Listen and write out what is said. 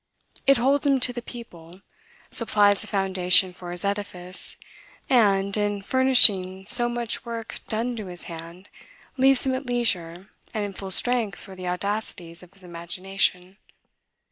It holds him to the people, supplies a foundation for his edifice; and, in furnishing so much work done to his hand, leaves him at leisure, and in full strength for the audacities of his imagination.